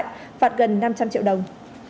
phạt gần năm trăm linh triệu đồng